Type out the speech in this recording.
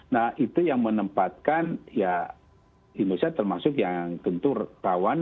nah itu yang menempatkan ya indonesia termasuk yang tentu kawan